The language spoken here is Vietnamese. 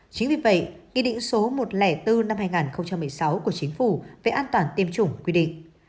chính vì vậy nghị định số một trăm linh bốn năm hai nghìn một mươi sáu của chính phủ về an toàn tiêm chủng quy định